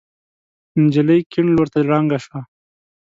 نجلۍ کيڼ لور ته ړنګه شوه.